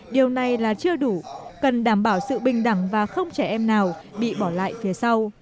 điều này là chưa đủ cần đảm bảo sự bình đẳng và không trẻ em nào bị bỏ lại phía sau